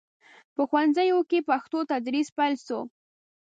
په ښوونځیو کې په پښتو تدریس پیل شو.